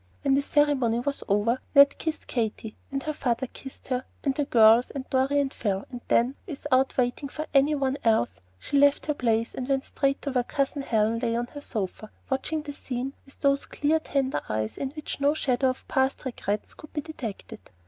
When the ceremony was over, Ned kissed Katy, and her father kissed her, and the girls and Dorry and Phil; and then, without waiting for any one else, she left her place and went straight to where Cousin Helen lay on her sofa, watching the scene with those clear, tender eyes in which no shadow of past regrets could be detected.